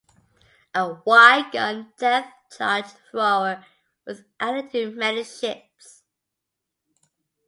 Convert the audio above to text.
A "Y-gun" depth charge thrower was added to many ships.